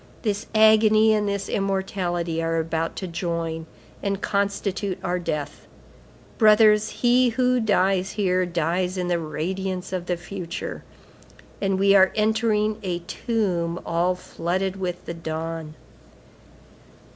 This agony and this immortality are about to join and constitute our death. Brothers, he who dies here dies in the radiance of the future, and we are entering a tomb all flooded with the dawn."